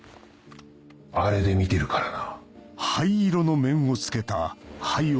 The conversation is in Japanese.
あれで見てるからな。